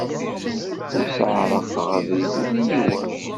Ur sseɛraqeɣ abrid ula i yiwen.